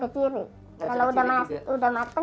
kalau sudah matang sudah tidak kekiri